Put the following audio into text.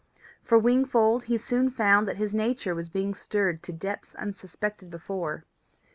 For Wingfold, he soon found that his nature was being stirred to depths unsuspected before.